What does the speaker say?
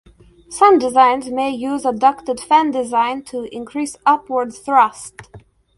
Some designs may use a ducted fan design to increase upward thrust.